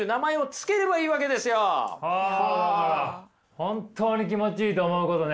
本当に気持ちいいと思うことね。